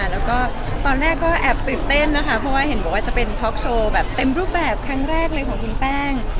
แล้วก็ตอนแรกก็แอบตื่นเต้นนะคะเพราะว่าเห็นบอกว่าจะเป็นท็อกโชว์แบบเต็มรูปแบบครั้งแรกเลยของคุณแป้ง